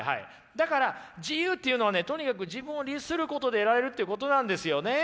だから自由っていうのはねとにかく自分を律することで得られるということなんですよね。